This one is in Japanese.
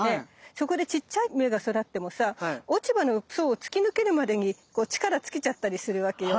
そこでちっちゃい芽が育ってもさ落ち葉の層を突き抜けるまでに力尽きちゃったりするわけよ。